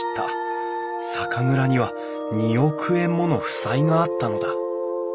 酒蔵には２億円もの負債があったのだ。